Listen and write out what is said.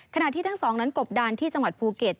ขณะที่ทั้งสองนั้นกบดานที่จังหวัดภูเก็ต